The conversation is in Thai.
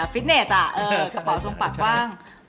กระเป๋าืของปากกว้าง